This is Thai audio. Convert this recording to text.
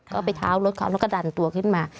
ก็ไปเท้ารถเขาแล้วก็ดันตัวขึ้นมา